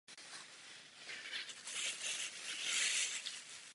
Průchodem nabité částice přes izolační médium se naruší jeho lokální elektromagnetické pole.